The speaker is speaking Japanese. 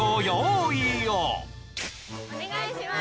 お願いします